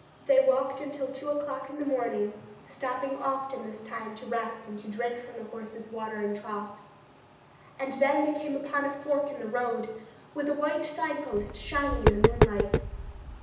They walked until two o'clock in the morning, stopping often this time to rest and to drink from the horses' watering troughs. And then they came upon a fork in the road with a white signpost shining in the moonlight.